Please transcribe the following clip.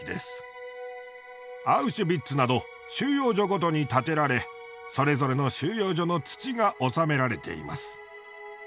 アウシュビッツなど収容所ごとに建てられそれぞれの収容所の土が納められています。